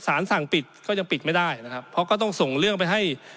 สารสั่งปิดก็ยังปิดไม่ได้นะครับเพราะก็ต้องส่งเรื่องไปให้